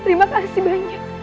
terima kasih banyak